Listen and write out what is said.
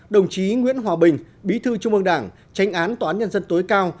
đồng chí nguyễn hòa bình bí thư trung ương đảng tránh án tòa án nhân dân tối cao